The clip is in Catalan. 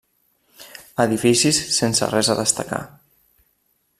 Edificis sense res a destacar.